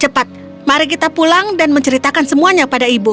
cepat mari kita pulang dan menceritakan semuanya pada ibu